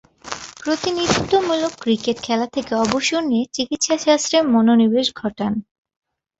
প্রতিনিধিত্বমূলক cricket খেলা থেকে অবসর নিয়ে চিকিৎসাশাস্ত্রে মনোনিবেশ ঘটান।